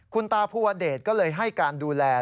คุณตาภูวเดชก็เลยให้การดูแล